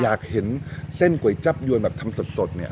อยากเห็นเส้นก๋วยจับยวนแบบทำสดเนี่ย